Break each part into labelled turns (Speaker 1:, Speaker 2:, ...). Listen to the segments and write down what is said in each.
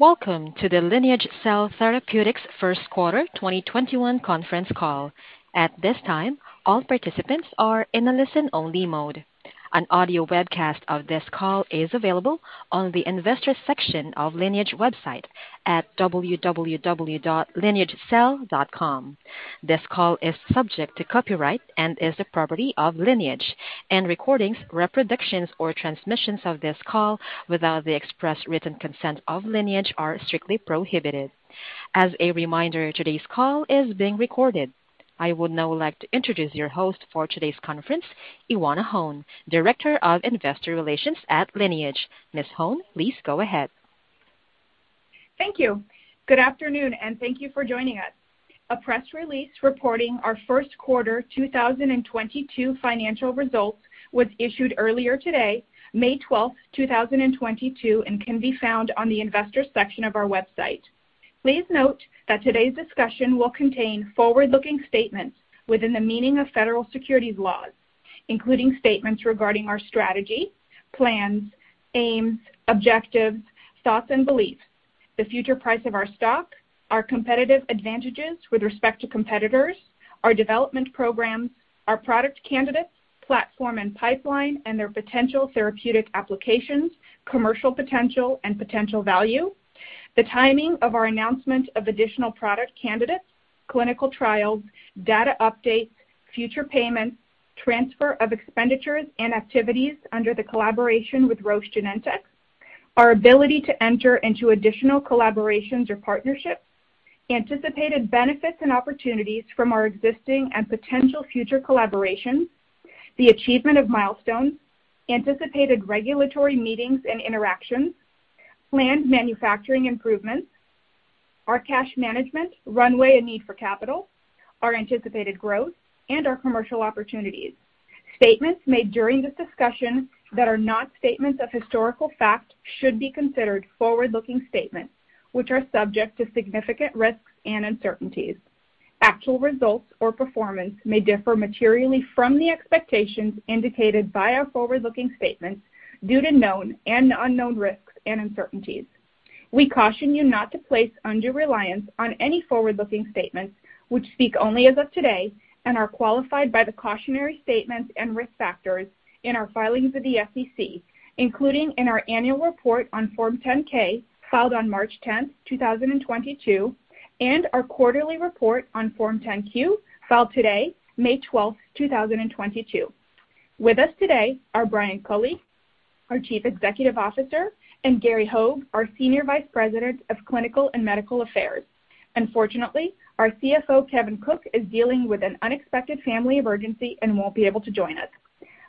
Speaker 1: Welcome to the Lineage Cell Therapeutics First Quarter 2021 conference call. At this time, all participants are in listen-only mode. An audio webcast of this call is available on the Investors section of Lineage’s website at www.lineagecell.com. This call is subject to copyright and is the property of Lineage, and recordings, reproductions or transmissions of this call without the express written consent of Lineage are strictly prohibited. As a reminder, today's call is being recorded. I would now like to introduce your host for today's conference, Ioana Hone, Director of Investor Relations at Lineage. Ms. Hone, please go ahead.
Speaker 2: Thank you. Good afternoon, and thank you for joining us. A press release reporting our first quarter 2022 financial results was issued earlier today, May 12, 2022, and can be found on the Investors section of our website. Please note that today's discussion will contain forward-looking statements within the meaning of federal securities laws, including statements regarding our strategy, plans, aims, objectives, thoughts and beliefs, the future price of our stock, our competitive advantages with respect to competitors, our development programs, our product candidates, platform and pipeline, and their potential therapeutic applications, commercial potential and potential value, the timing of our announcement of additional product candidates, clinical trials, data updates, future payments, transfer of expenditures and activities under the collaboration with Roche Genentech, our ability to enter into additional collaborations or partnerships, anticipated benefits and opportunities from our existing and potential future collaborations, the achievement of milestones, anticipated regulatory meetings and interactions, planned manufacturing improvements, our cash management, runway and need for capital, our anticipated growth and our commercial opportunities. Statements made during this discussion that are not historical facts should be considered forward-looking statements, which are subject to significant risks and uncertainties. Actual results or performance may differ materially from the expectations indicated by our forward-looking statements due to known and unknown risks and uncertainties. We caution you not to place undue reliance on any forward-looking statements which speak only as of today and are qualified by the cautionary statements and risk factors in our filings with the SEC, including in our annual report on Form 10-K filed on March 10, 2022, and our quarterly report on Form 10-Q filed today, May 12, 2022. With us today are Brian Culley, our Chief Executive Officer, and Gary Hogge, our Senior Vice President of Clinical and Medical Affairs. Unfortunately, our CFO, Kevin Cook, is dealing with an unexpected family emergency and won't be able to join us.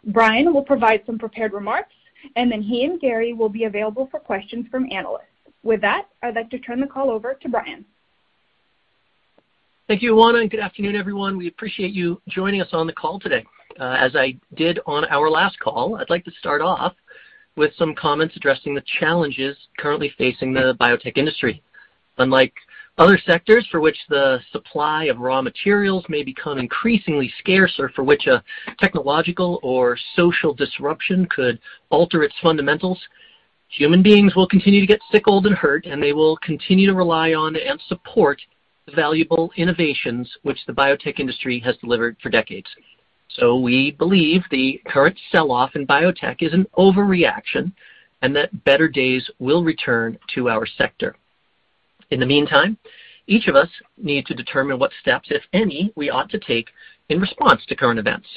Speaker 2: Brian Culley will provide some prepared remarks, and then he and Gary Hogge will be available for questions from analysts. With that, I'd like to turn the call over to Brian Culley.
Speaker 3: Thank you, Ioana, and good afternoon, everyone. We appreciate you joining us on the call today. As I did on our last call, I'd like to start off with some comments addressing the challenges currently facing the biotech industry. Unlike other sectors for which the supply of raw materials may become increasingly scarce or for which a technological or social disruption could alter its fundamentals, human beings will continue to get sick, old and hurt, and they will continue to rely on and support the valuable innovations which the biotech industry has delivered for decades. We believe the current sell-off in biotech is an overreaction, and that better days will return to our sector. In the meantime, each of us needs to determine what steps, if any, we ought to take in response to current events.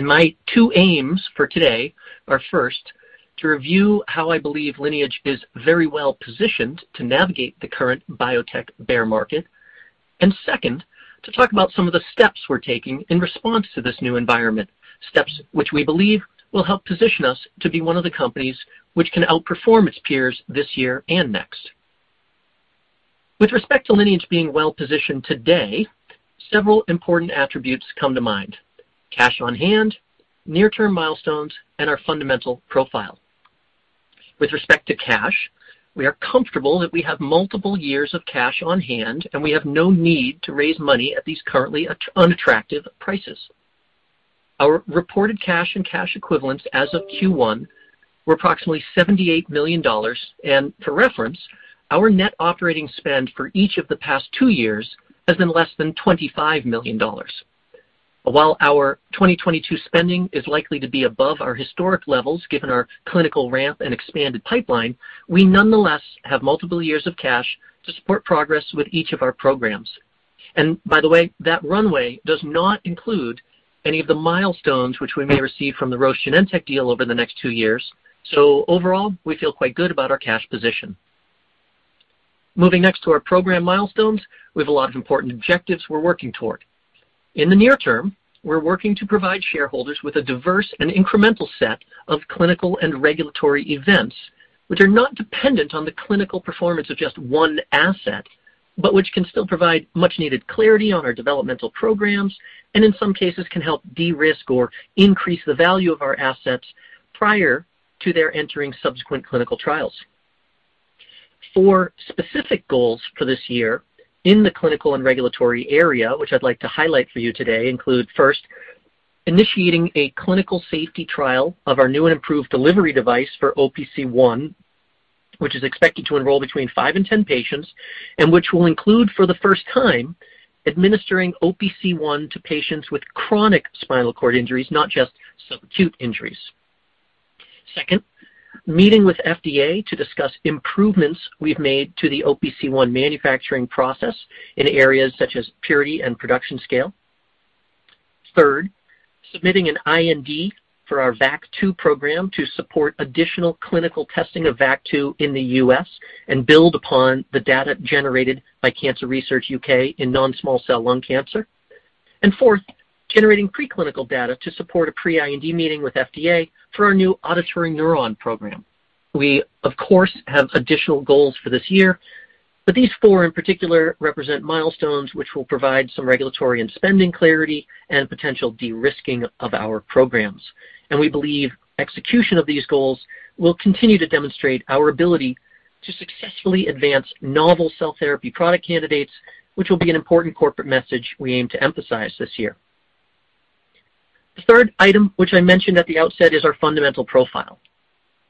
Speaker 3: My two aims for today are, first, to review how I believe Lineage is very well-positioned to navigate the current biotech bear market. Second, to talk about some of the steps we're taking in response to this new environment, steps which we believe will help position us to be one of the companies that can outperform its peers this year and next. With respect to Lineage being well-positioned today, several important attributes come to mind, cash on hand, near-term milestones, and our fundamental profile. With respect to cash, we are comfortable that we have multiple years of cash on hand, and we have no need to raise money at these currently unattractive prices. Our reported cash and cash equivalents as of Q1 were approximately $78 million, and for reference, our net operating spend for each of the past two years has been less than $25 million. While our 2022 spending is likely to be above our historic levels, given our clinical ramp and expanded pipeline, we nonetheless have multiple years of cash to support progress with each of our programs. By the way, that runway does not include any of the milestones which we may receive from the Roche Genentech deal over the next two years. Overall, we feel quite good about our cash position. Moving next to our program milestones, we have a lot of important objectives we're working toward. In the near term, we're working to provide shareholders with a diverse and incremental set of clinical and regulatory events, which are not dependent on the clinical performance of just one asset, but which can still provide much-needed clarity on our developmental programs and in some cases can help de-risk or increase the value of our assets prior to their entering subsequent clinical trials. Four specific goals for this year in the clinical and regulatory area, which I'd like to highlight for you today, include, first, initiating a clinical safety trial of our new and improved delivery device for OPC1, which is expected to enroll between 5 and 10 patients and which will include for the first time administering OPC1 to patients with chronic spinal cord injuries, not just sub-acute injuries. Second, meeting with FDA to discuss improvements we've made to the OPC1 manufacturing process in areas such as purity and production scale. Third, submitting an IND for our VAC2 program to support additional clinical testing of VAC2 in the U.S. and build upon the data generated by Cancer Research UK in non-small cell lung cancer. Fourth, generating preclinical data to support a pre-IND meeting with FDA for our new auditory neuron program. We of course have additional goals for this year, but these four in particular represent milestones which will provide some regulatory and spending clarity and potential de-risking of our programs. We believe execution of these goals will continue to demonstrate our ability to successfully advance novel cell therapy product candidates, which will be an important corporate message we aim to emphasize this year. The third item which I mentioned at the outset is our fundamental profile.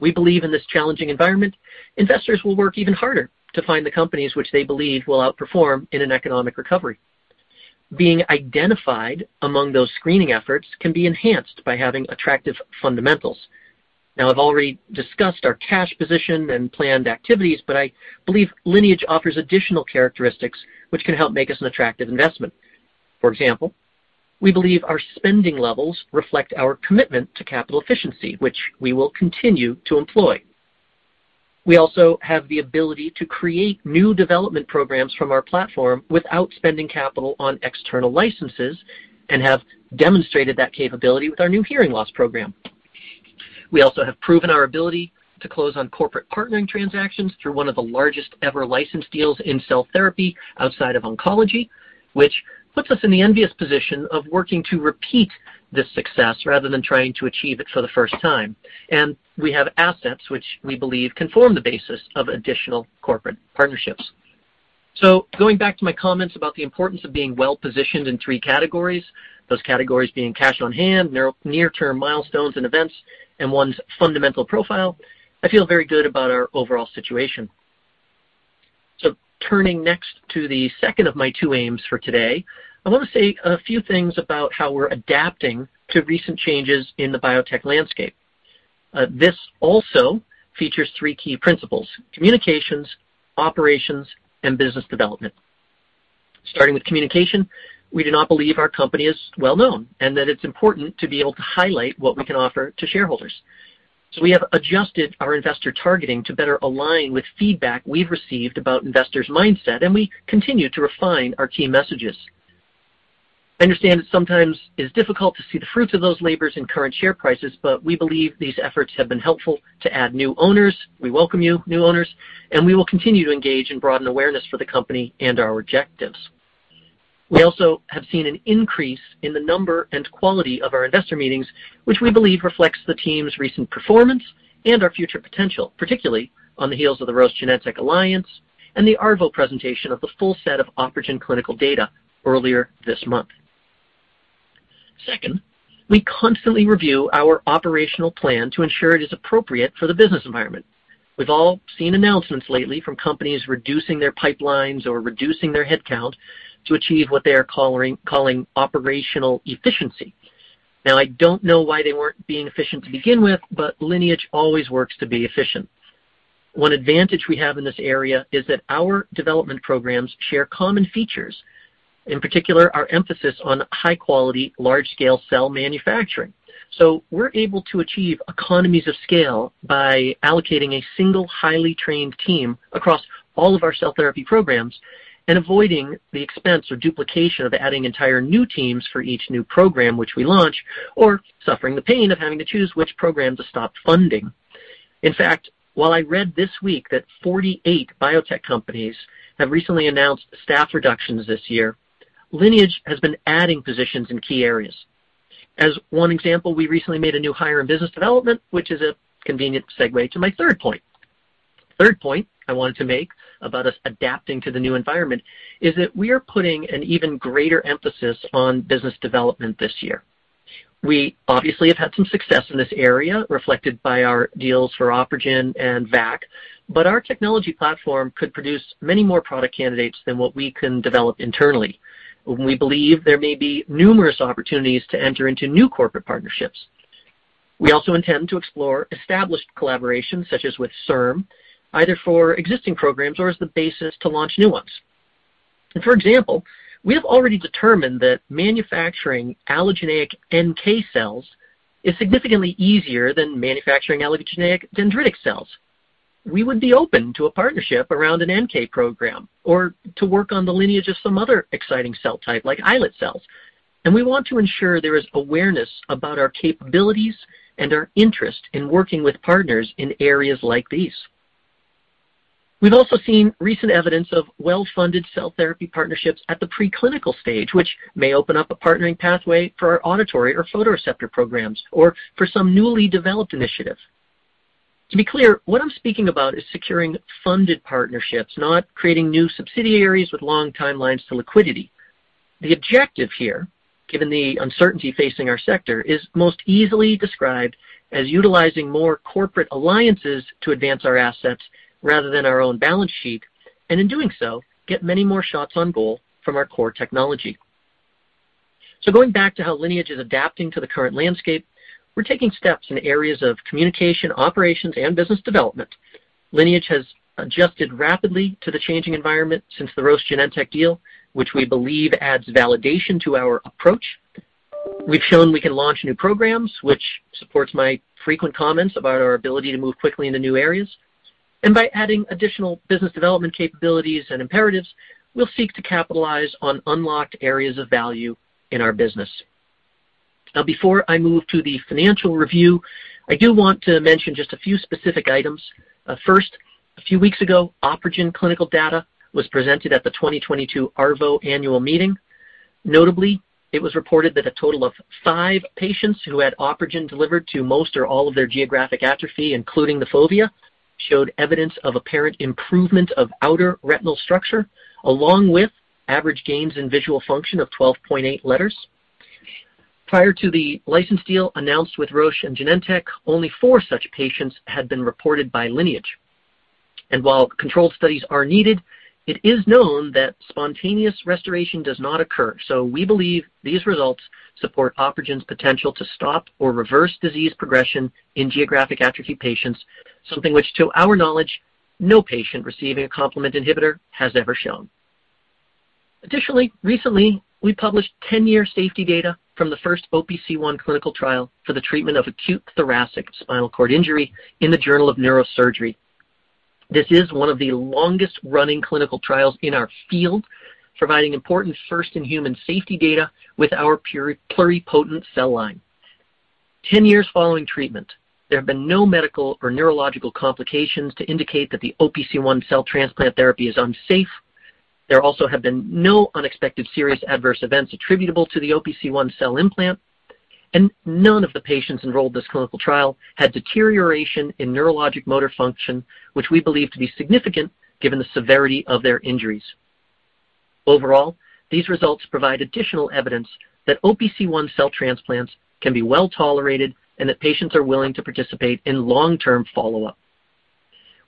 Speaker 3: We believe in this challenging environment, investors will work even harder to find the companies which they believe will outperform in an economic recovery. Being identified among those screening efforts can be enhanced by having attractive fundamentals. Now, I've already discussed our cash position and planned activities, but I believe Lineage offers additional characteristics which can help make us an attractive investment. For example, we believe our spending levels reflect our commitment to capital efficiency, which we will continue to employ. We also have the ability to create new development programs from our platform without spending capital on external licenses and have demonstrated that capability with our new hearing loss program. We also have proven our ability to close on corporate partnering transactions through one of the largest ever license deals in cell therapy outside of oncology, which puts us in the envious position of working to repeat this success rather than trying to achieve it for the first time. We have assets which we believe can form the basis of additional corporate partnerships. Going back to my comments about the importance of being well positioned in three categories, those categories being cash on hand, near-term milestones and events, and one's fundamental profile, I feel very good about our overall situation. Turning next to the second of my two aims for today, I want to say a few things about how we're adapting to recent changes in the biotech landscape. This also features three key principles, communications, operations, and business development. Starting with communication, we do not believe our company is well known and that it's important to be able to highlight what we can offer to shareholders. We have adjusted our investor targeting to better align with feedback we've received about investors' mindset, and we continue to refine our key messages. I understand that sometimes it's difficult to see the fruits of those labors in current share prices, but we believe these efforts have been helpful to add new owners. We welcome our new owners, and we will continue to engage and broaden awareness for the company and our objectives. We also have seen an increase in the number and quality of our investor meetings, which we believe reflects the team's recent performance and our future potential, particularly on the heels of the Roche Genentech alliance and the ARVO presentation of the full set of OpRegen clinical data earlier this month. Second, we constantly review our operational plan to ensure it is appropriate for the business environment. We've all seen announcements lately from companies reducing their pipelines or reducing their headcount to achieve what they are calling operational efficiency. Now, I don't know why they weren't being efficient to begin with, but Lineage always works to be efficient. One advantage we have in this area is that our development programs share common features, in particular, our emphasis on high-quality, large-scale cell manufacturing. We're able to achieve economies of scale by allocating a single highly trained team across all of our cell therapy programs and avoiding the expense or duplication of adding entire new teams for each new program which we launch or suffering the pain of having to choose which program to stop funding. In fact, while I read this week that 48 biotech companies have recently announced staff reductions this year, Lineage has been adding positions in key areas. As one example, we recently made a new hire in business development, which is a convenient segue to my third point. Third point I wanted to make about us adapting to the new environment is that we are putting an even greater emphasis on business development this year. We obviously have had some success in this area reflected by our deals for OpRegen and VAC, but our technology platform could produce many more product candidates than what we can develop internally. We believe there may be numerous opportunities to enter into new corporate partnerships. We also intend to explore established collaborations such as with CIRM, either for existing programs or as the basis to launch new ones. For example, we have already determined that manufacturing allogeneic NK cells is significantly easier than manufacturing allogeneic dendritic cells. We would be open to a partnership around an NK program or to work on the Lineage of some other exciting cell type like islet cells. We want to ensure there is awareness about our capabilities and our interest in working with partners in areas like these. We've also seen recent evidence of well-funded cell therapy partnerships at the preclinical stage, which may open up a partnering pathway for our auditory or photoreceptor programs or for some newly developed initiative. To be clear, what I'm speaking about is securing funded partnerships, not creating new subsidiaries with long timelines to liquidity. The objective here, given the uncertainty facing our sector, is most easily described as utilizing more corporate alliances to advance our assets rather than our own balance sheet, and in doing so, get many more shots on goal from our core technology. Going back to how Lineage is adapting to the current landscape, we're taking steps in areas of communication, operations, and business development. Lineage has adjusted rapidly to the changing environment since the Roche Genentech deal, which we believe adds validation to our approach. We've shown we can launch new programs, which supports my frequent comments about our ability to move quickly into new areas. By adding additional business development capabilities and imperatives, we'll seek to capitalize on unlocked areas of value in our business. Now, before I move to the financial review, I do want to mention just a few specific items. First, a few weeks ago, OpRegen clinical data was presented at the 2022 ARVO annual meeting. Notably, it was reported that a total of five patients who had OpRegen delivered to most or all of their geographic atrophy, including the fovea, showed evidence of apparent improvement of outer retinal structure, along with average gains in visual function of 12.8 letters. Prior to the license deal announced with Roche and Genentech, only four such patients had been reported by Lineage. While controlled studies are needed, it is known that spontaneous restoration does not occur. We believe these results support OpRegen's potential to stop or reverse disease progression in geographic atrophy patients, something which, to our knowledge, no patient receiving a complement inhibitor has ever shown. Additionally, recently, we published ten-year safety data from the first OPC1 clinical trial for the treatment of acute thoracic spinal cord injury in the Journal of Neurosurgery. This is one of the longest-running clinical trials in our field, providing important first-in-human safety data with our pluripotent cell line. Ten years following treatment, there have been no medical or neurological complications to indicate that the OPC1 cell transplant therapy is unsafe. There also have been no unexpected serious adverse events attributable to the OPC1 cell implant, and none of the patients enrolled in this clinical trial had deterioration in neurologic motor function, which we believe to be significant given the severity of their injuries. Overall, these results provide additional evidence that OPC1 cell transplants can be well-tolerated and that patients are willing to participate in long-term follow-up.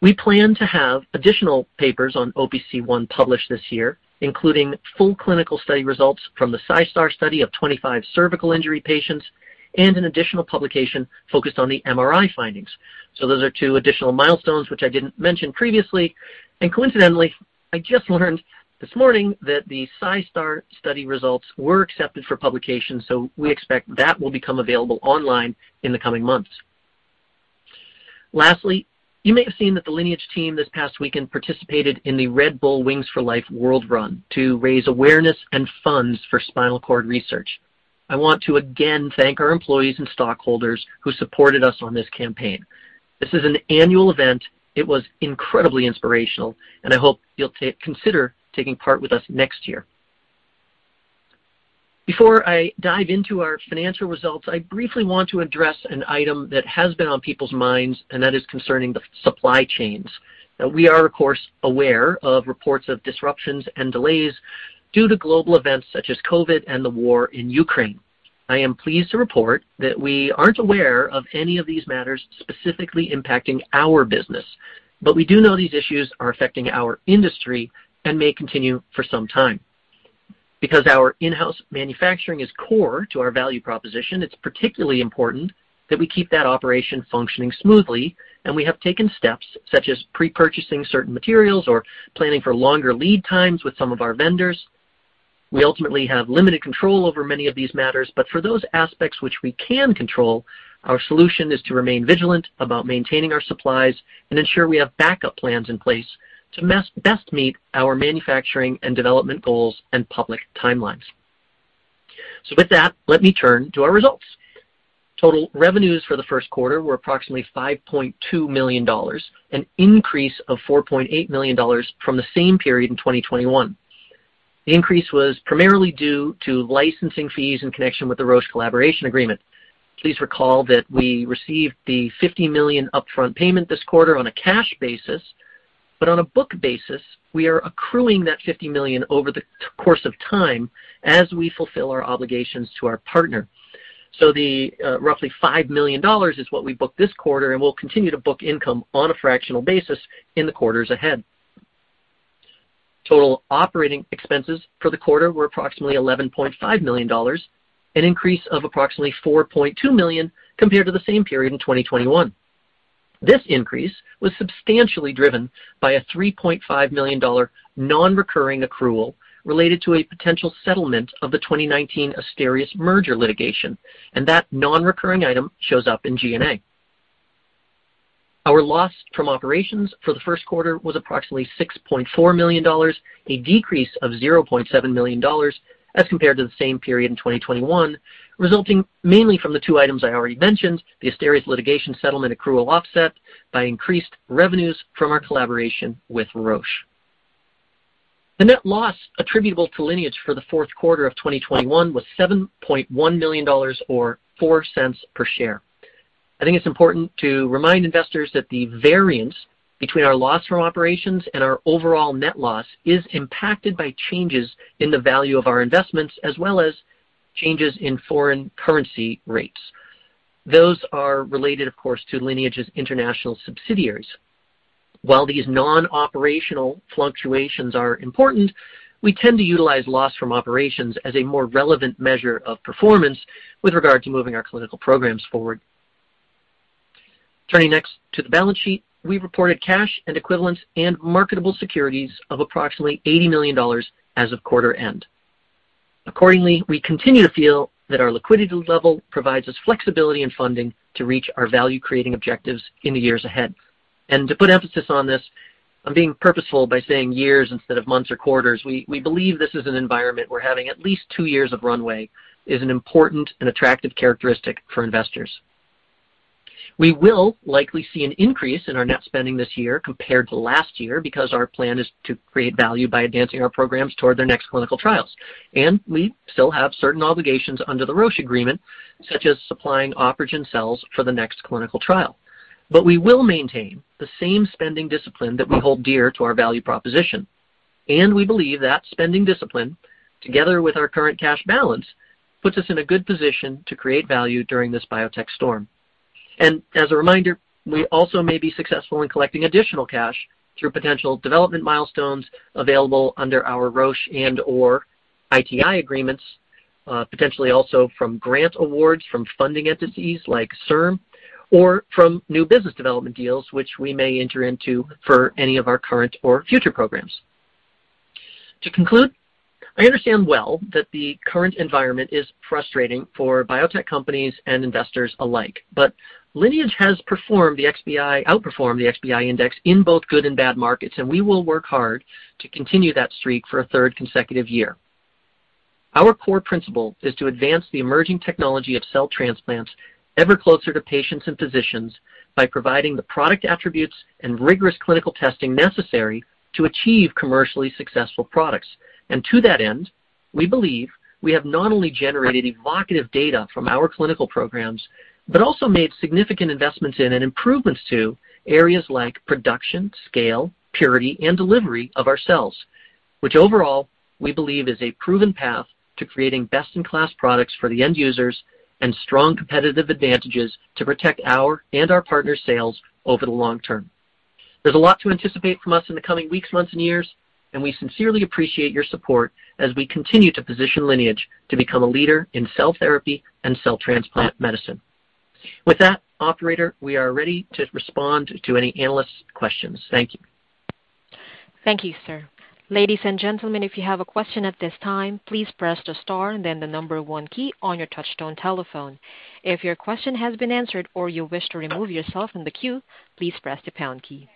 Speaker 3: We plan to have additional papers on OPC1 published this year, including full clinical study results from the SCiStar study of 25 cervical injury patients and an additional publication focused on the MRI findings. Those are two additional milestones which I didn't mention previously. Coincidentally, I just learned this morning that the SCiStar study results were accepted for publication, so we expect that will become available online in the coming months. Lastly, you may have seen that the Lineage team this past weekend participated in the Red Bull Wings for Life World Run to raise awareness and funds for spinal cord research. I want to again thank our employees and stockholders who supported us on this campaign. This is an annual event. It was incredibly inspirational, and I hope you'll consider taking part with us next year. Before I dive into our financial results, I briefly want to address an item that has been on people's minds, and that is concerning the supply chains. Now we are, of course, aware of reports of disruptions and delays due to global events such as COVID and the war in Ukraine. I am pleased to report that we aren't aware of any of these matters specifically impacting our business. We do know these issues are affecting our industry and may continue for some time. Because our in-house manufacturing is core to our value proposition, it's particularly important that we keep that operation functioning smoothly, and we have taken steps such as pre-purchasing certain materials or planning for longer lead times with some of our vendors. We ultimately have limited control over many of these matters, but for those aspects which we can control, our solution is to remain vigilant about maintaining our supplies and ensure we have backup plans in place to best meet our manufacturing and development goals and public timelines. With that, let me turn to our results. Total revenues for the first quarter were approximately $5.2 million, an increase of $4.8 million from the same period in 2021. The increase was primarily due to licensing fees in connection with the Roche collaboration agreement. Please recall that we received the $50 million upfront payment this quarter on a cash basis, but on a book basis, we are accruing that $50 million over the course of time as we fulfill our obligations to our partner. The roughly $5 million is what we booked this quarter, and we'll continue to book income on a fractional basis in the quarters ahead. Total operating expenses for the quarter were approximately $11.5 million, an increase of approximately $4.2 million compared to the same period in 2021. This increase was substantially driven by a $3.5 million non-recurring accrual related to a potential settlement of the 2019 Asterias merger litigation, and that non-recurring item shows up in G&A. Our loss from operations for the first quarter was approximately $6.4 million, a decrease of $0.7 million as compared to the same period in 2021, resulting mainly from the two items I already mentioned, the Asterias litigation settlement accrual offset by increased revenues from our collaboration with Roche. The net loss attributable to Lineage for the fourth quarter of 2021 was $7.1 million or 4 cents per share. I think it's important to remind investors that the variance between our loss from operations and our overall net loss is impacted by changes in the value of our investments as well as changes in foreign currency rates. Those are related, of course, to Lineage's international subsidiaries. While these non-operational fluctuations are important, we tend to utilize loss from operations as a more relevant measure of performance with regard to moving our clinical programs forward. Turning next to the balance sheet, we reported cash and equivalents and marketable securities of approximately $80 million as of quarter end. Accordingly, we continue to feel that our liquidity level provides us flexibility in funding to reach our value-creating objectives in the years ahead. To put emphasis on this, I'm being purposeful by saying years instead of months or quarters, we believe this is an environment where having at least two years of runway is an important and attractive characteristic for investors. We will likely see an increase in our net spending this year compared to last year because our plan is to create value by advancing our programs toward their next clinical trials, and we still have certain obligations under the Roche agreement, such as supplying OpRegen cells for the next clinical trial. We will maintain the same spending discipline that we hold dear to our value proposition, and we believe that spending discipline, together with our current cash balance, puts us in a good position to create value during this biotech storm. As a reminder, we also may be successful in collecting additional cash through potential development milestones available under our Roche and/or ITI agreements, potentially also from grant awards from funding entities like CIRM or from new business development deals, which we may enter into for any of our current or future programs. To conclude, I understand well that the current environment is frustrating for biotech companies and investors alike, but Lineage has outperformed the XBI index in both good and bad markets, and we will work hard to continue that streak for a third consecutive year. Our core principle is to advance the emerging technology of cell transplants ever closer to patients and physicians by providing the product attributes and rigorous clinical testing necessary to achieve commercially successful products. To that end, we believe we have not only generated evocative data from our clinical programs but also made significant investments in and improvements to areas like production, scale, purity, and delivery of our cells, which overall we believe is a proven path to creating best-in-class products for the end users and strong competitive advantages to protect our and our partners' sales over the long term. There's a lot to anticipate from us in the coming weeks, months, and years, and we sincerely appreciate your support as we continue to position Lineage to become a leader in cell therapy and cell transplant medicine. With that, operator, we are ready to respond to any analyst questions. Thank you.
Speaker 1: Thank you, sir. Ladies and gentlemen, if you have a question at this time, please press the star then the number one key on your touchtone telephone. If your question has been answered or you wish to remove yourself from the queue, please press the pound key.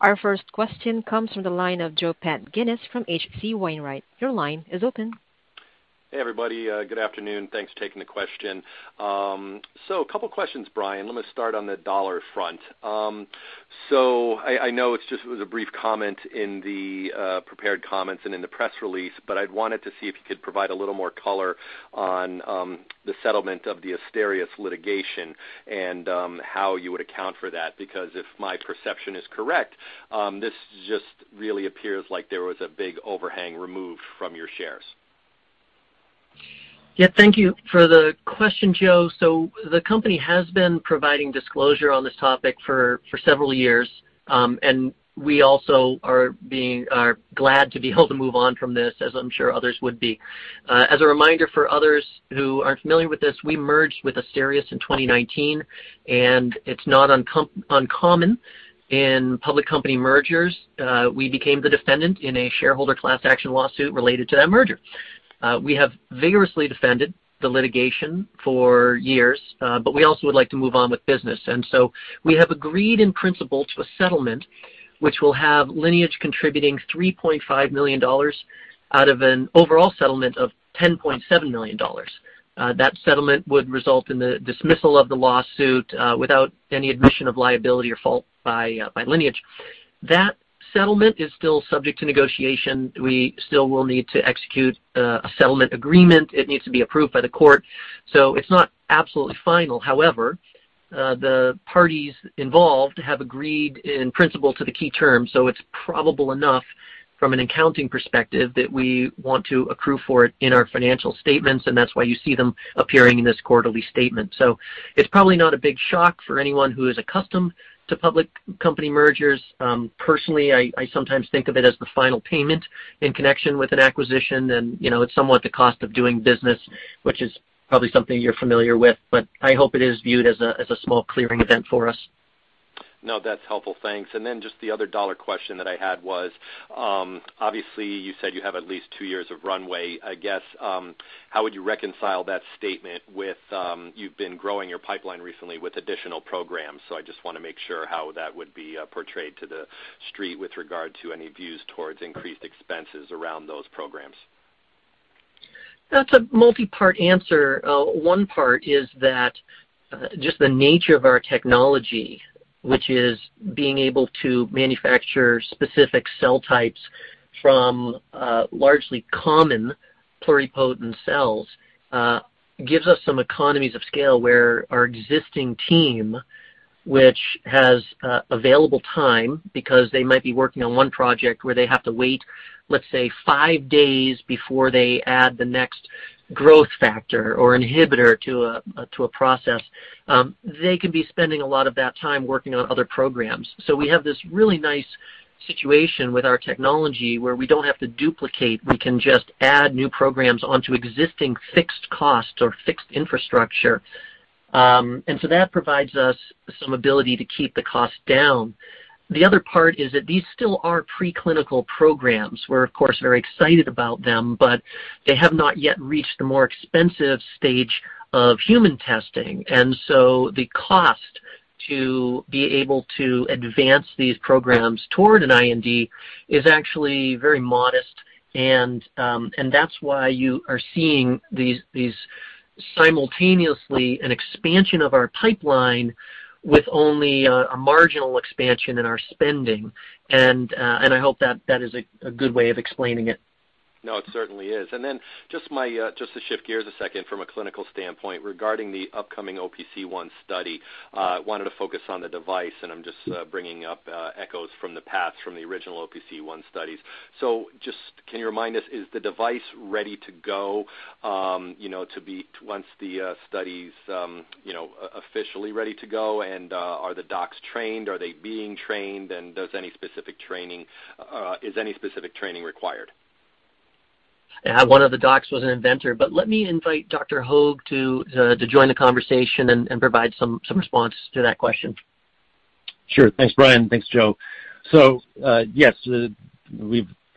Speaker 1: Our first question comes from the line of Joe Pantginis from H.C. Wainwright & Co. Your line is open.
Speaker 4: Hey, everybody. Good afternoon. Thanks for taking the question. So a couple questions, Brian. Let me start on the dollar front. So I know it's just was a brief comment in the prepared comments and in the press release, but I'd wanted to see if you could provide a little more color on the settlement of the Asterias litigation and how you would account for that. Because if my perception is correct, this just really appears like there was a big overhang removed from your shares.
Speaker 3: Yeah. Thank you for the question, Joe. The company has been providing disclosure on this topic for several years, and we also are glad to be able to move on from this, as I'm sure others would be. As a reminder for others who aren't familiar with this, we merged with Asterias in 2019, and it's not uncommon in public company mergers. We became the defendant in a shareholder class action lawsuit related to that merger. We have vigorously defended the litigation for years. We also would like to move on with business. We have agreed in principle to a settlement which will have Lineage contributing $3.5 million out of an overall settlement of $10.7 million. That settlement would result in the dismissal of the lawsuit, without any admission of liability or fault by Lineage. That settlement is still subject to negotiation. We still will need to execute a settlement agreement. It needs to be approved by the court, so it's not absolutely final. However, the parties involved have agreed in principle to the key terms, so it's probable enough from an accounting perspective that we want to accrue for it in our financial statements, and that's why you see them appearing in this quarterly statement. It's probably not a big shock for anyone who is accustomed to public company mergers. Personally, I sometimes think of it as the final payment in connection with an acquisition and, you know, it's somewhat the cost of doing business, which is probably something you're familiar with, but I hope it is viewed as a small clearing event for us.
Speaker 4: No, that's helpful. Thanks. Just the other dollar question that I had was, obviously, you said you have at least two years of runway. I guess, how would you reconcile that statement with, you've been growing your pipeline recently with additional programs. I just wanna make sure how that would be portrayed to the street with regard to any views towards increased expenses around those programs.
Speaker 3: That's a multi-part answer. One part is that, just the nature of our technology, which is being able to manufacture specific cell types from, largely common pluripotent cells, gives us some economies of scale where our existing team, which has, available time because they might be working on one project where they have to wait, let's say, five days before they add the next growth factor or inhibitor to a process, they can be spending a lot of that time working on other programs. We have this really nice situation with our technology where we don't have to duplicate. We can just add new programs onto existing fixed costs or fixed infrastructure. That provides us some ability to keep the cost down. The other part is that these still are preclinical programs. We're, of course, very excited about them, but they have not yet reached the more expensive stage of human testing. The cost to be able to advance these programs toward an IND is actually very modest. That's why you are seeing this simultaneous expansion of our pipeline with only a marginal expansion in our spending. I hope that is a good way of explaining it.
Speaker 4: No, it certainly is. Then just to shift gears a second from a clinical standpoint regarding the upcoming OPC1 study, wanted to focus on the device, and I'm just bringing up echoes from the past from the original OPC1 studies. Just can you remind us, is the device ready to go, you know, once the study's you know, officially ready to go? Are the docs trained? Are they being trained? Is any specific training required?
Speaker 3: Yeah. One of the docs was an inventor. Let me invite Dr. Hogge to join the conversation and provide some response to that question.
Speaker 5: Sure. Thanks, Brian. Thanks, Joe. Yes,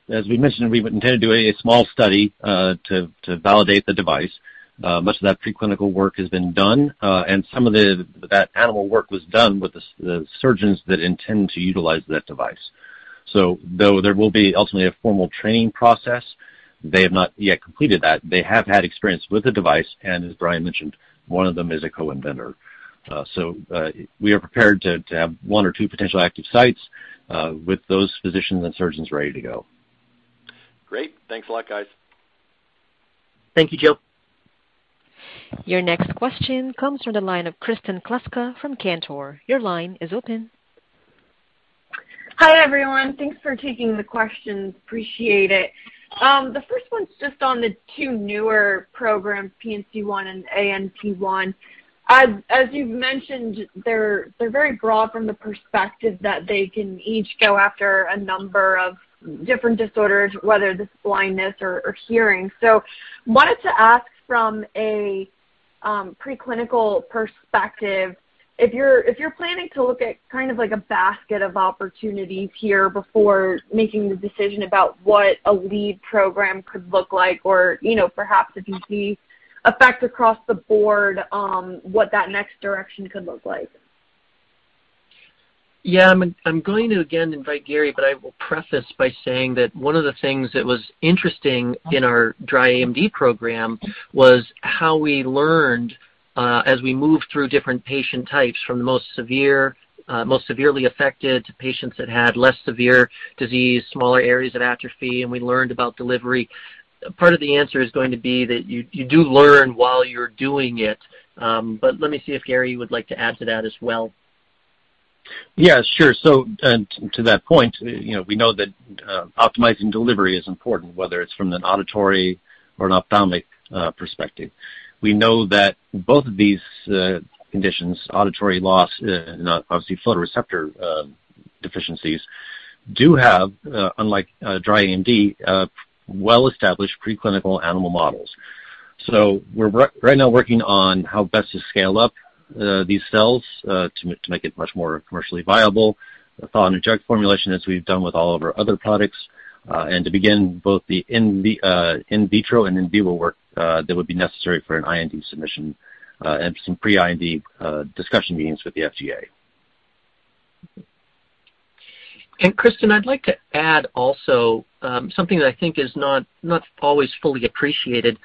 Speaker 5: as we mentioned, we intend to do a small study to validate the device. Much of that preclinical work has been done, and some of that animal work was done with the surgeons that intend to utilize that device. Though there will be ultimately a formal training process, they have not yet completed that. They have had experience with the device, and as Brian mentioned, one of them is a co-inventor. We are prepared to have one or two potential active sites with those physicians and surgeons ready to go.
Speaker 4: Great. Thanks a lot, guys.
Speaker 3: Thank you, Joe.
Speaker 1: Your next question comes from the line of Kristen Kluska from Cantor. Your line is open.
Speaker 6: Hi, everyone. Thanks for taking the questions. Appreciate it. The first one's just on the two newer programs, PNC1 and ANP1. As you've mentioned, they're very broad from the perspective that they can each go after a number of different disorders, whether this is blindness or hearing. Wanted to ask from a preclinical perspective, if you're planning to look at kind of like a basket of opportunities here before making the decision about what a lead program could look like or, you know, perhaps if you see effect across the board, what that next direction could look like.
Speaker 3: Yeah, I'm going to again invite Gary, but I will preface by saying that one of the things that was interesting in our dry AMD program was how we learned as we moved through different patient types from the most severe, most severely affected to patients that had less severe disease, smaller areas of atrophy, and we learned about delivery. Part of the answer is going to be that you do learn while you're doing it. Let me see if Gary would like to add to that as well.
Speaker 5: Yeah, sure. To that point, you know, we know that optimizing delivery is important, whether it's from an auditory or an ophthalmic perspective. We know that both of these conditions, auditory loss and obviously photoreceptor deficiencies, do have, unlike dry AMD, well-established preclinical animal models. We're right now working on how best to scale up these cells to make it much more commercially viable, thaw-and-inject formulation as we've done with all of our other products, and to begin both the in vitro and in vivo work that would be necessary for an IND submission, and some pre-IND discussion meetings with the FDA.
Speaker 3: Kristen, I'd like to add also something that I think is not always fully appreciated.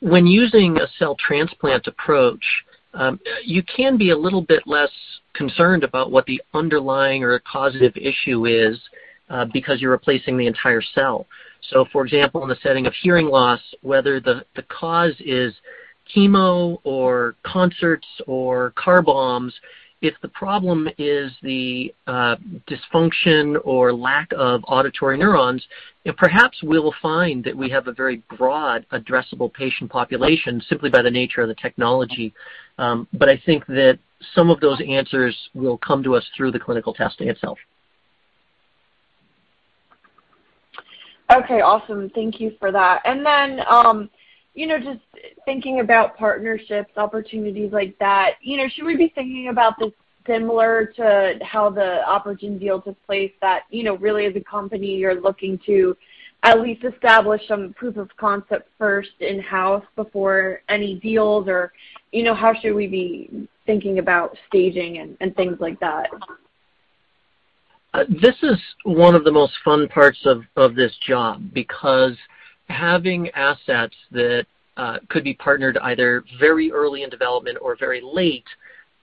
Speaker 3: When using a cell transplant approach, you can be a little bit less concerned about what the underlying or causative issue is, because you're replacing the entire cell. For example, in the setting of hearing loss, whether the cause is chemo or concerts or car bombs, if the problem is the dysfunction or lack of auditory neurons, then perhaps we'll find that we have a very broad addressable patient population simply by the nature of the technology. I think that some of those answers will come to us through the clinical testing itself.
Speaker 6: Okay, awesome. Thank you for that. You know, just thinking about partnerships, opportunities like that, you know, should we be thinking about this similar to how the OpRegen deal took place that, you know, really as a company you're looking to at least establish some proof of concept first in-house before any deals? Or, you know, how should we be thinking about staging and things like that?
Speaker 3: This is one of the most fun parts of this job because having assets that could be partnered either very early in development or very late,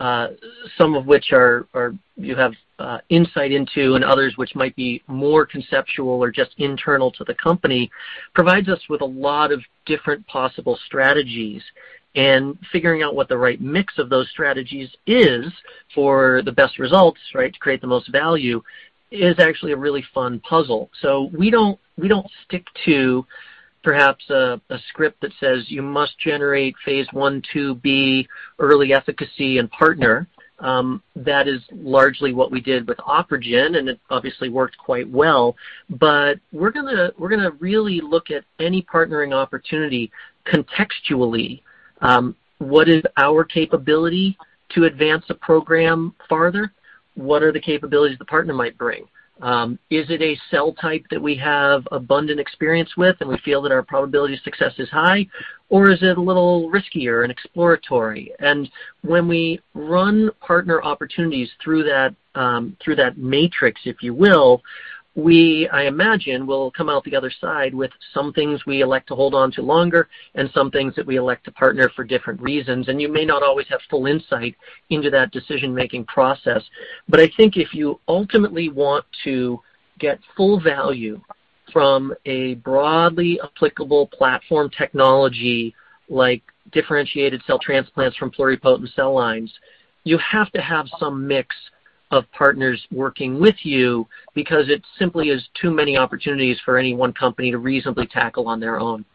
Speaker 3: some of which you have insight into and others which might be more conceptual or just internal to the company, provides us with a lot of different possible strategies. Figuring out what the right mix of those strategies is for the best results, right, to create the most value is actually a really fun puzzle. We don't stick to perhaps a script that says you must generate phase 1, 2b early efficacy and partner. That is largely what we did with OpRegen, and it obviously worked quite well. We're gonna really look at any partnering opportunity contextually. What is our capability to advance a program farther? What are the capabilities the partner might bring? Is it a cell type that we have abundant experience with, and we feel that our probability of success is high, or is it a little riskier and exploratory? When we run partner opportunities through that matrix, if you will, we, I imagine, will come out the other side with some things we elect to hold on to longer and some things that we elect to partner for different reasons. You may not always have full insight into that decision-making process. I think if you ultimately want to get full value from a broadly applicable platform technology like differentiated cell transplants from pluripotent cell lines, you have to have some mix of partners working with you because it simply is too many opportunities for any one company to reasonably tackle on their own.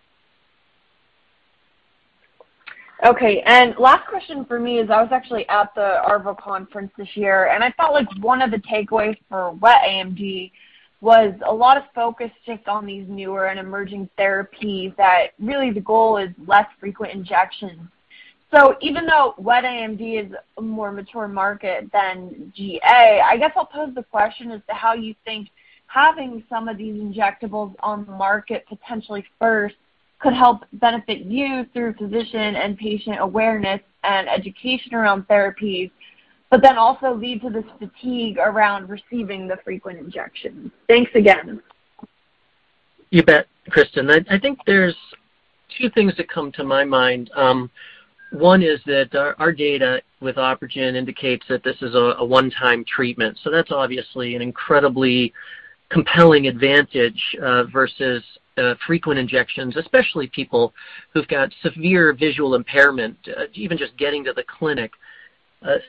Speaker 6: Okay. Last question for me is I was actually at the ARVO conference this year, and I felt like one of the takeaways for wet AMD was a lot of focus just on these newer and emerging therapies that really the goal is less frequent injections. Even though wet AMD is a more mature market than GA, I guess I'll pose the question as to how you think having some of these injectables on the market potentially first could help benefit you through physician and patient awareness and education around therapies, but then also lead to this fatigue around receiving the frequent injections. Thanks again.
Speaker 3: You bet, Kristen. I think there's two things that come to my mind. One is that our data with OpRegen indicates that this is a one-time treatment, so that's obviously an incredibly compelling advantage versus frequent injections, especially people who've got severe visual impairment, even just getting to the clinic.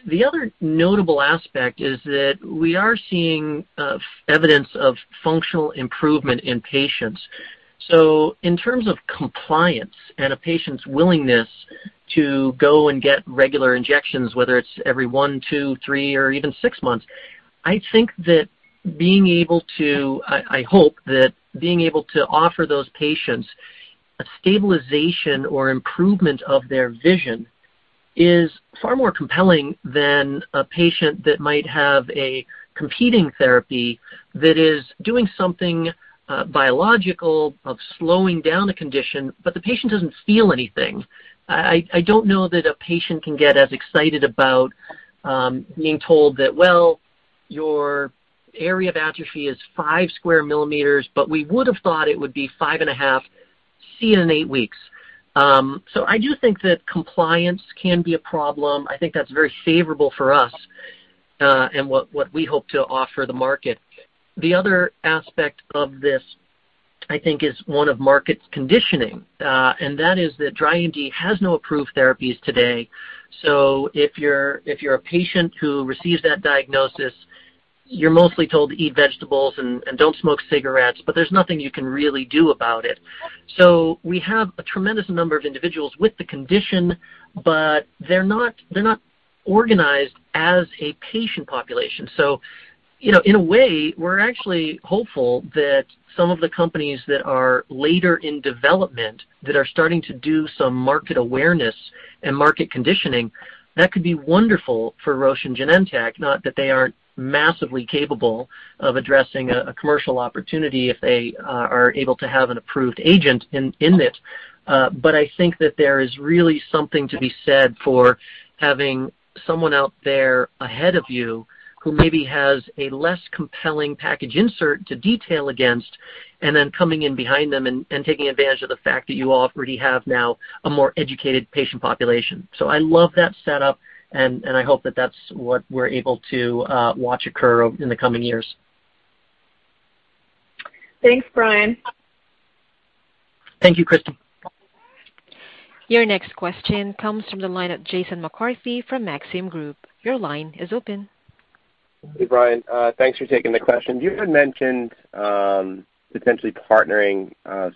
Speaker 3: The other notable aspect is that we are seeing evidence of functional improvement in patients. In terms of compliance and a patient's willingness to go and get regular injections, whether it's every 1, 2, 3 or even 6 months, I hope that being able to offer those patients a stabilization or improvement of their vision is far more compelling than a patient that might have a competing therapy that is doing something biological or slowing down a condition, but the patient doesn't feel anything. I don't know that a patient can get as excited about being told that, "Well, your area of atrophy is 5 square millimeters, but we would have thought it would be 5.5. See you in 8 weeks." I do think that compliance can be a problem. I think that's very favorable for us, and what we hope to offer the market. The other aspect of this, I think, is one of markets conditioning, and that is that dry AMD has no approved therapies today. If you're a patient who receives that diagnosis, you're mostly told to eat vegetables and don't smoke cigarettes, but there's nothing you can really do about it. We have a tremendous number of individuals with the condition, but they're not organized as a patient population. You know, in a way, we're actually hopeful that some of the companies that are later in development that are starting to do some market awareness and market conditioning, that could be wonderful for Roche and Genentech. Not that they aren't massively capable of addressing a commercial opportunity if they are able to have an approved agent in it. I think that there is really something to be said for having someone out there ahead of you who maybe has a less compelling package insert to detail against, and then coming in behind them and taking advantage of the fact that you already have now a more educated patient population. I love that setup, and I hope that that's what we're able to watch occur in the coming years.
Speaker 6: Thanks, Brian.
Speaker 3: Thank you, Kristen.
Speaker 1: Your next question comes from the line of Jason McCarthy from Maxim Group. Your line is open.
Speaker 7: Hey, Brian. Thanks for taking the question. You had mentioned potentially partnering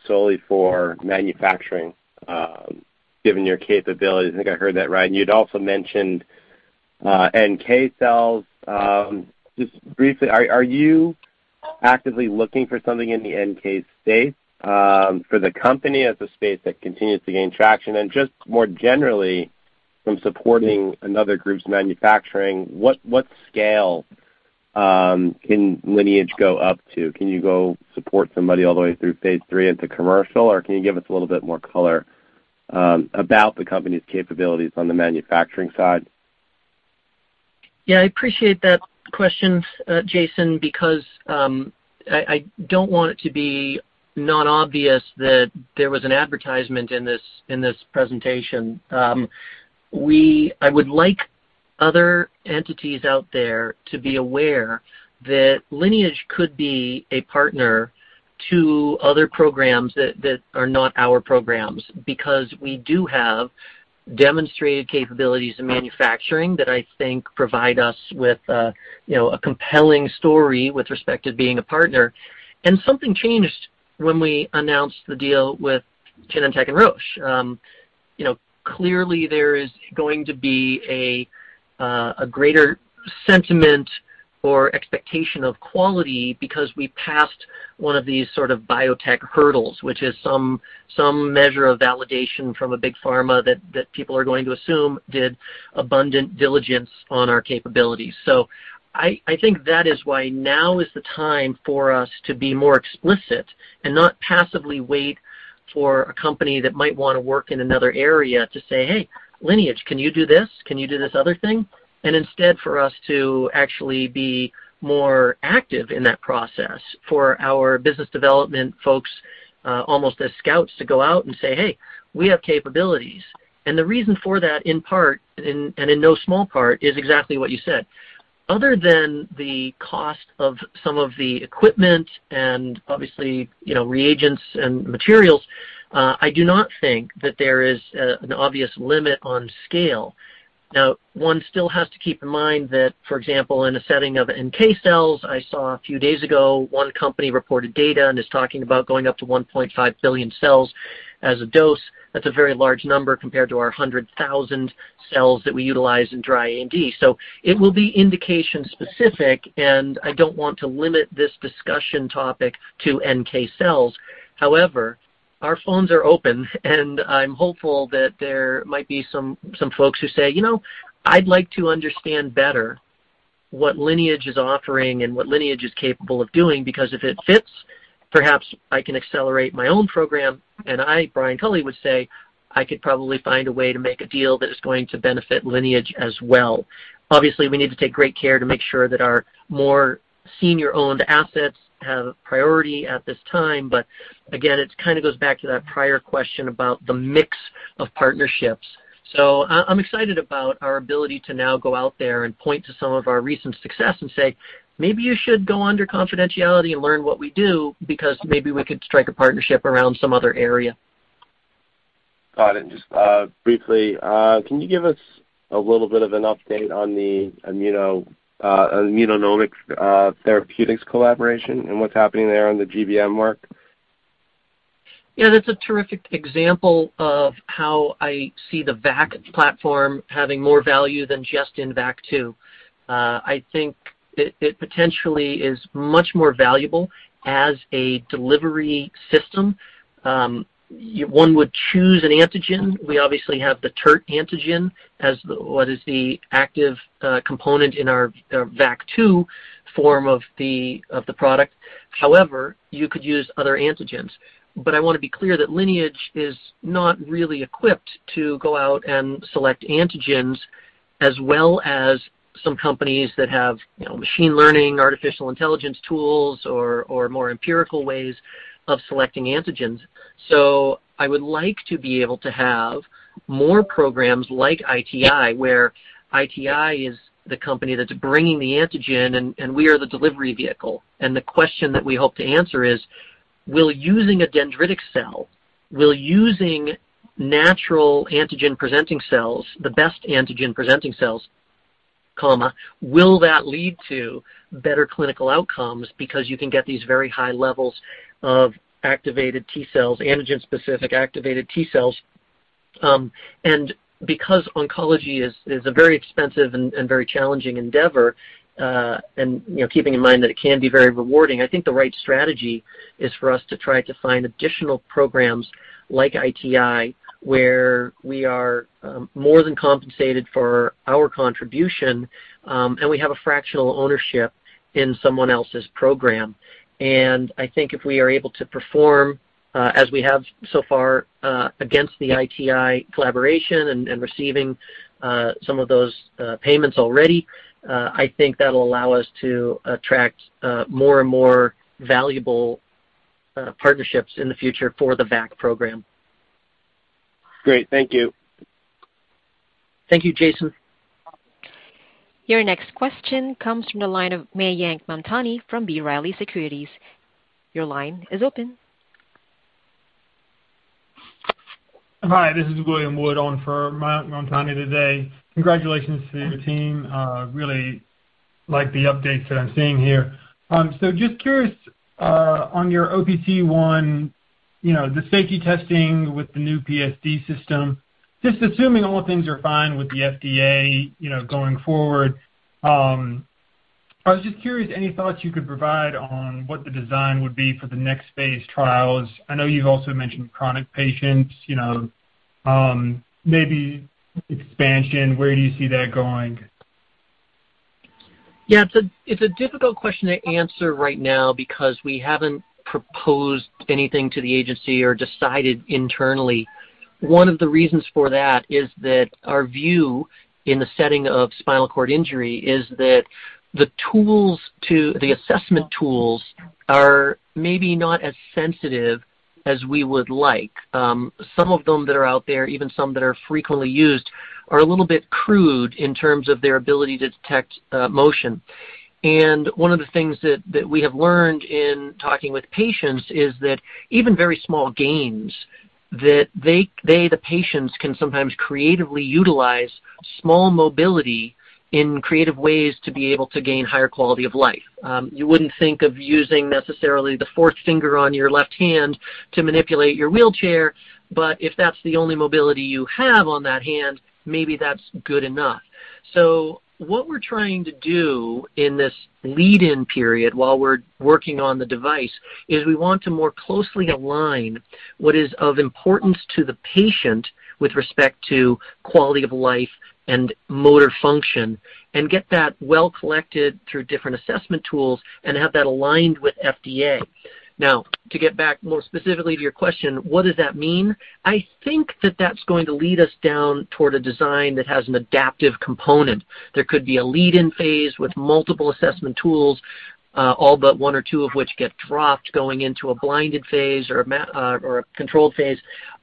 Speaker 7: solely for manufacturing given your capabilities. I think I heard that right. You'd also mentioned NK cells. Just briefly, are you actively looking for something in the NK space? For the company, that's a space that continues to gain traction. Just more generally, from supporting another group's manufacturing, what scale can Lineage go up to? Can you go support somebody all the way through phase 3 into commercial, or can you give us a little bit more color? About the company's capabilities on the manufacturing side.
Speaker 3: Yeah, I appreciate that question, Jason, because I don't want it to be not obvious that there was an advertisement in this presentation. I would like other entities out there to be aware that Lineage could be a partner to other programs that are not our programs because we do have demonstrated capabilities in manufacturing that I think provide us with, you know, a compelling story with respect to being a partner. Something changed when we announced the deal with Genentech and Roche. You know, clearly there is going to be a greater sentiment or expectation of quality because we passed one of these sort of biotech hurdles, which is some measure of validation from a big pharma that people are going to assume did abundant diligence on our capabilities. I think that is why now is the time for us to be more explicit and not passively wait for a company that might wanna work in another area to say, "Hey, Lineage, can you do this? Can you do this other thing?" And instead, for us to actually be more active in that process for our business development folks, almost as scouts to go out and say, "Hey, we have capabilities." And the reason for that, in part, and in no small part, is exactly what you said. Other than the cost of some of the equipment and obviously, you know, reagents and materials, I do not think that there is an obvious limit on scale. Now, one still has to keep in mind that, for example, in a setting of NK cells, I saw a few days ago, one company reported data and is talking about going up to 1.5 billion cells as a dose. That's a very large number compared to our 100,000 cells that we utilize in dry AMD. So it will be indication-specific, and I don't want to limit this discussion topic to NK cells. However, our phones are open, and I'm hopeful that there might be some folks who say, "You know, I'd like to understand better what Lineage is offering and what Lineage is capable of doing, because if it fits, perhaps I can accelerate my own program." I, Brian Culley, would say, "I could probably find a way to make a deal that is going to benefit Lineage as well." Obviously, we need to take great care to make sure that our more senior-owned assets have priority at this time. Again, it's kinda goes back to that prior question about the mix of partnerships. I'm excited about our ability to now go out there and point to some of our recent success and say, "Maybe you should go under confidentiality and learn what we do because maybe we could strike a partnership around some other area.
Speaker 7: Got it. Just briefly, can you give us a little bit of an update on the Immunomic Therapeutics collaboration and what's happening there on the GBM work?
Speaker 3: Yeah, that's a terrific example of how I see the VAC platform having more value than just in VAC2. I think it potentially is much more valuable as a delivery system. One would choose an antigen. We obviously have the TERT antigen as the, what is the active component in our VAC2 form of the product. However, you could use other antigens. I wanna be clear that Lineage is not really equipped to go out and select antigens as well as some companies that have, you know, machine learning, artificial intelligence tools or more empirical ways of selecting antigens. I would like to be able to have more programs like ITI, where ITI is the company that's bringing the antigen and we are the delivery vehicle. The question that we hope to answer is, will using a dendritic cell, will using natural antigen-presenting cells, the best antigen-presenting cells, will that lead to better clinical outcomes? Because you can get these very high levels of activated T cells, antigen-specific activated T cells. Because oncology is a very expensive and very challenging endeavor, and you know, keeping in mind that it can be very rewarding, I think the right strategy is for us to try to find additional programs like ITI, where we are more than compensated for our contribution, and we have a fractional ownership in someone else's program. I think if we are able to perform as we have so far against the ITI collaboration and receiving some of those payments already, I think that'll allow us to attract more and more valuable partnerships in the future for the VAC program.
Speaker 7: Great. Thank you.
Speaker 3: Thank you, Jason.
Speaker 1: Your next question comes from the line of Mayank Mamtani from B. Riley Securities. Your line is open.
Speaker 8: Hi, this is William Wood on for Mayank Mamtani today. Congratulations to your team. Really like the updates that I'm seeing here. Just curious, on your OPC1, you know, the safety testing with the new PSD system. Just assuming all things are fine with the FDA, you know, going forward, I was just curious, any thoughts you could provide on what the design would be for the next phase trials? I know you've also mentioned chronic patients, you know, maybe expansion, where do you see that going?
Speaker 3: Yeah, it's a difficult question to answer right now because we haven't proposed anything to the agency or decided internally. One of the reasons for that is that our view in the setting of spinal cord injury is that the assessment tools are maybe not as sensitive as we would like. Some of them that are out there, even some that are frequently used, are a little bit crude in terms of their ability to detect motion. One of the things that we have learned in talking with patients is that even very small gains that the patients can sometimes creatively utilize small mobility in creative ways to be able to gain higher quality of life. You wouldn't think of using necessarily the fourth finger on your left hand to manipulate your wheelchair, but if that's the only mobility you have on that hand, maybe that's good enough. What we're trying to do in this lead in period while we're working on the device is we want to more closely align what is of importance to the patient with respect to quality of life and motor function and get that well collected through different assessment tools and have that aligned with FDA. Now, to get back more specifically to your question, what does that mean? I think that that's going to lead us down toward a design that has an adaptive component. There could be a lead-in phase with multiple assessment tools, all but one or two of which get dropped going into a blinded phase or a controlled phase.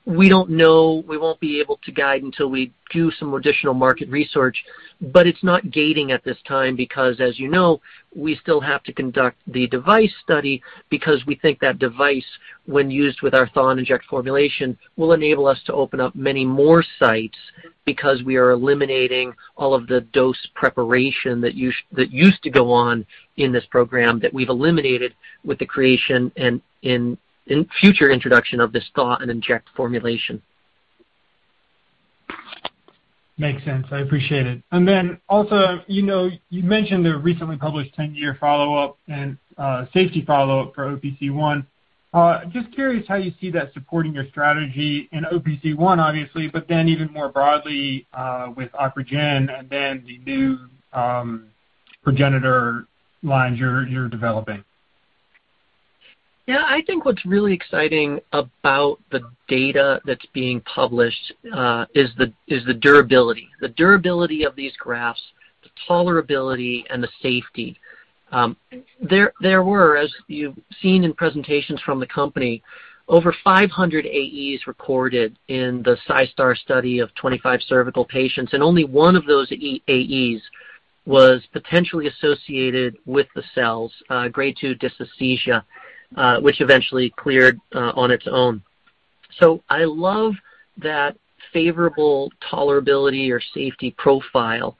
Speaker 3: We don't know. We won't be able to guide until we do some additional market research. It's not gating at this time because, as you know, we still have to conduct the device study because we think that device, when used with our thaw and inject formulation, will enable us to open up many more sites because we are eliminating all of the dose preparation that used to go on in this program that we've eliminated with the creation and in future introduction of this thaw and inject formulation.
Speaker 8: Makes sense. I appreciate it. Then also, you know, you mentioned the recently published ten-year follow-up and safety follow-up for OPC1. Just curious how you see that supporting your strategy in OPC1, obviously, but then even more broadly, with OpRegen and then the new progenitor lines you're developing.
Speaker 3: Yeah. I think what's really exciting about the data that's being published is the durability. The durability of these grafts, the tolerability and the safety. There were, as you've seen in presentations from the company, over 500 AEs recorded in the SCiStar study of 25 cervical patients, and only one of those AEs was potentially associated with the cells, grade 2 dysesthesia, which eventually cleared on its own. I love that favorable tolerability or safety profile,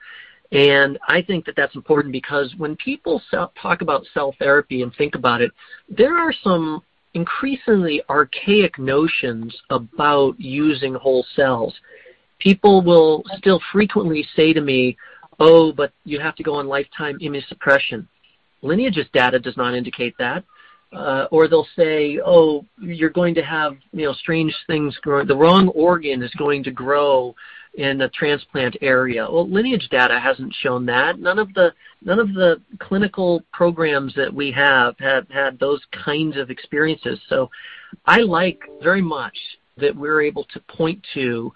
Speaker 3: and I think that's important because when people talk about cell therapy and think about it, there are some increasingly archaic notions about using whole cells. People will still frequently say to me, "Oh, but you have to go on lifetime immunosuppression." Lineage's data does not indicate that. They'll say, "Oh, you're going to have, you know, strange things grow. The wrong organ is going to grow in the transplant area." Well, Lineage data hasn't shown that. None of the clinical programs that we have have had those kinds of experiences. I like very much that we're able to point to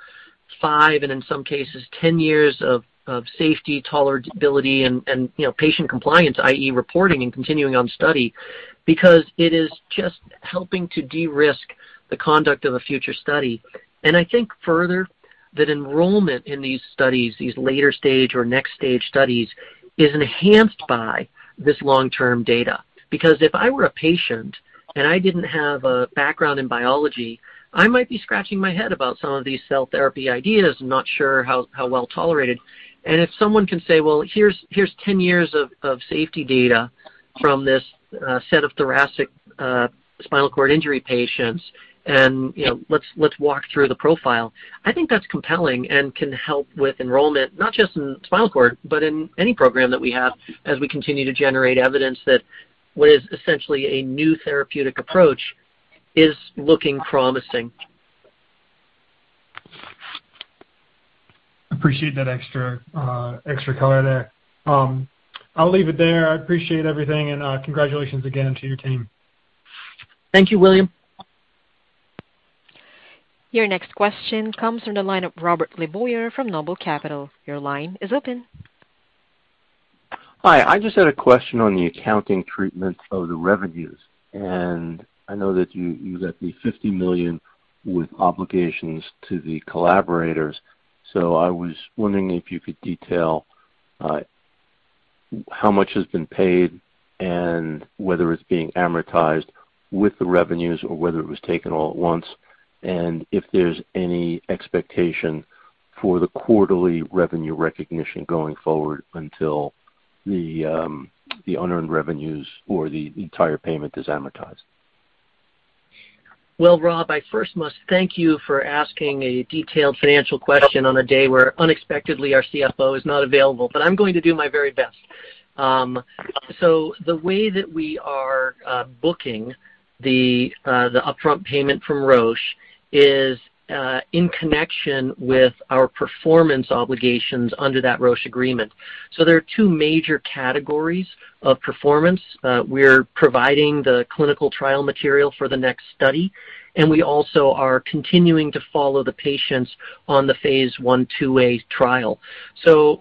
Speaker 3: five, and in some cases, 10 years of safety, tolerability and, you know, patient compliance, i.e., reporting and continuing on study, because it is just helping to de-risk the conduct of a future study. I think further that enrollment in these studies, these later stage or next stage studies, is enhanced by this long-term data. Because if I were a patient and I didn't have a background in biology, I might be scratching my head about some of these cell therapy ideas, not sure how well tolerated. If someone can say, "Well, here's 10 years of safety data from this set of thoracic spinal cord injury patients and, you know, let's walk through the profile," I think that's compelling and can help with enrollment, not just in spinal cord, but in any program that we have as we continue to generate evidence that what is essentially a new therapeutic approach is looking promising.
Speaker 8: Appreciate that extra color there. I'll leave it there. I appreciate everything and congratulations again to your team.
Speaker 3: Thank you, William.
Speaker 1: Your next question comes from the line of Robert LeBoyer from Noble Capital Markets. Your line is open.
Speaker 9: Hi. I just had a question on the accounting treatment of the revenues. I know that you got the $50 million with obligations to the collaborators. I was wondering if you could detail how much has been paid and whether it's being amortized with the revenues or whether it was taken all at once, and if there's any expectation for the quarterly revenue recognition going forward until the unearned revenues or the entire payment is amortized.
Speaker 3: Well, Rob, I first must thank you for asking a detailed financial question on a day where unexpectedly our CFO is not available, but I'm going to do my very best. The way that we are booking the upfront payment from Roche is in connection with our performance obligations under that Roche agreement. There are two major categories of performance. We're providing the clinical trial material for the next study, and we also are continuing to follow the patients on the phase 1/2a trial.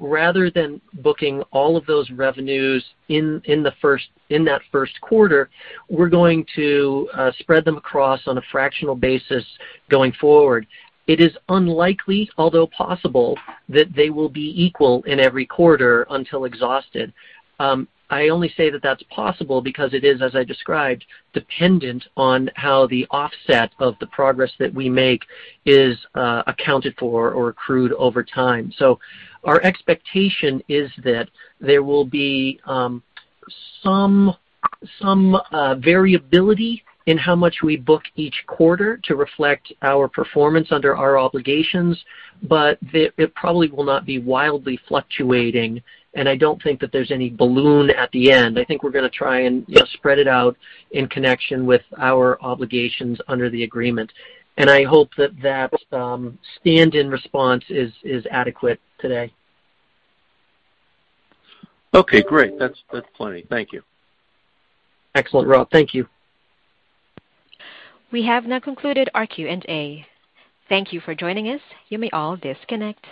Speaker 3: Rather than booking all of those revenues in that first quarter, we're going to spread them across on a fractional basis going forward. It is unlikely, although possible, that they will be equal in every quarter until exhausted. I only say that that's possible because it is, as I described, dependent on how the offset of the progress that we make is accounted for or accrued over time. Our expectation is that there will be some variability in how much we book each quarter to reflect our performance under our obligations, but it probably will not be wildly fluctuating, and I don't think that there's any balloon at the end. I think we're gonna try and just spread it out in connection with our obligations under the agreement. I hope that that stand-in response is adequate today.
Speaker 9: Okay, great. That's plenty. Thank you.
Speaker 3: Excellent, Rob. Thank you.
Speaker 1: We have now concluded our Q&A. Thank you for joining us. You may all disconnect.